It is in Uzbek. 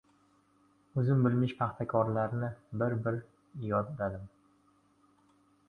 O‘zim bilmish paxtakorlarni bir-bir yodladim.